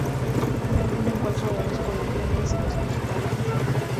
Un encuentro de dos colombianas y dos mexicanos.